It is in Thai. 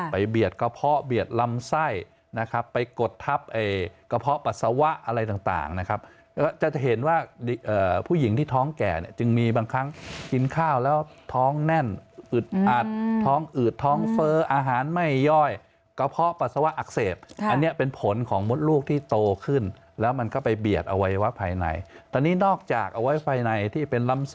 เบียดกระเพาะเบียดลำไส้นะครับไปกดทับกระเพาะปัสสาวะอะไรต่างนะครับก็จะเห็นว่าผู้หญิงที่ท้องแก่เนี่ยจึงมีบางครั้งกินข้าวแล้วท้องแน่นอึดอัดท้องอืดท้องเฟ้ออาหารไม่ย่อยกระเพาะปัสสาวะอักเสบอันนี้เป็นผลของมดลูกที่โตขึ้นแล้วมันก็ไปเบียดอวัยวะภายในตอนนี้นอกจากเอาไว้ภายในที่เป็นลำ